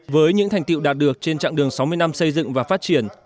với những thành tiệu đạt được trên chặng đường sáu mươi năm xây dựng và phát triển